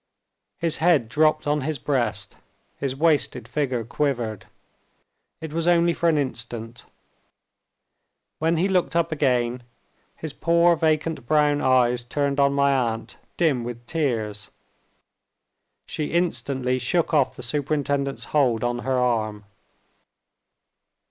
His head dropped on his breast, his wasted figure quivered. It was only for an instant. When he looked up again, his poor vacant brown eyes turned on my aunt, dim with tears. She instantly shook off the superintendent's hold on her arm.